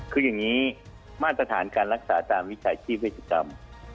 คืออย่างนี้มาตรฐานการรักษาตามวิชาชีพเวชกรรม